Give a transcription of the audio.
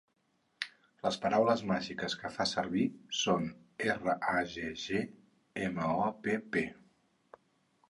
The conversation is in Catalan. Les "paraules màgiques" que fa servir són "R-A-G-G M-O-P-P".